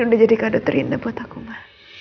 ini udah jadi kado terindah buat aku mama